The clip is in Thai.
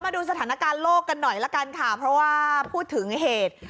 มาดูสถานการณ์โลกกันหน่อยละกันค่ะเพราะว่าพูดถึงเหตุ